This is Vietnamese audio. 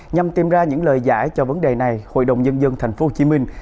nhằm tìm ra những lời giải cho vấn đề này hội đồng nhân dân thành phố hồ chí minh